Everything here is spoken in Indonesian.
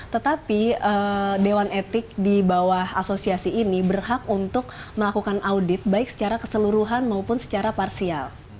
tetapi dewan etik di bawah asosiasi ini berhak untuk melakukan audit baik secara keseluruhan maupun secara parsial